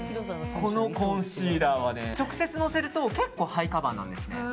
このコンシーラーは直接のせると結構ハイカバーなんですね。